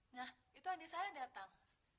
nah itu adik saya datang